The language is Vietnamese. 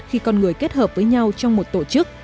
khi con người kết hợp với nhau trong một tổ chức